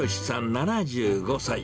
７５歳。